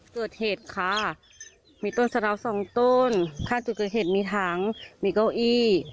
เกิดเหตุค่ะมีต้นสะดาวสองต้นข้างจุดเกิดเหตุมีถังมีเก้าอี้